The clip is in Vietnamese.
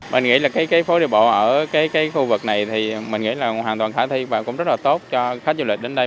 mình nghĩ là cái phố đi bộ ở cái khu vực này thì mình nghĩ là hoàn toàn khả thi và cũng rất là tốt cho khách du lịch đến đây